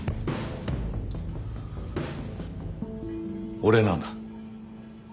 俺なんだ。